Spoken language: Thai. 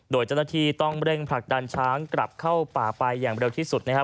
โดยเจ้าหน้าที่ต้องเร่งผลักดันช้างกลับเข้าป่าไปอย่างเร็วที่สุดนะครับ